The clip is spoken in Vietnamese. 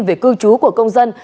về cư trú của công dân